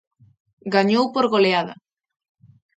Gañou por goleada.